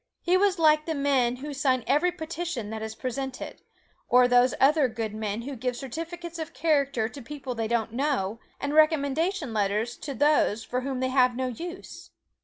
He was like the men who sign every petition that is presented; or those other good men who give certificates of character to people they do not know, and recommendation letters to those for whom they have no use.